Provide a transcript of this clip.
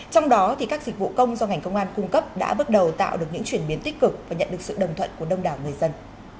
trong đó các dịch vụ công do ngành công an cung cấp đã bước đầu tạo được những chuyển biến tích cực và nhận được sự đồng thuận của đông đảo người dân